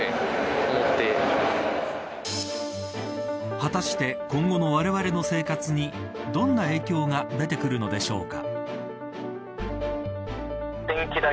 果たして今後のわれわれの生活にどんな影響が出てくるのでしょうか